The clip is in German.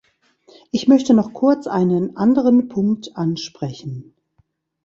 Ich möchte noch kurz einen anderen Punkt ansprechen.